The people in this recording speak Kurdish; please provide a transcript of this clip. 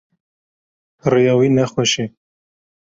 Rêya wî ne xweş e.